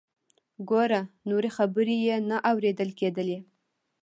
ګوره…. نورې خبرې یې نه اوریدل کیدلې.